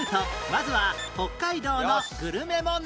まずは北海道のグルメ問題